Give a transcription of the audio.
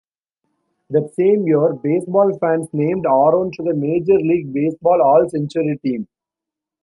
That same year, baseball fans named Aaron to the Major League Baseball All-Century Team.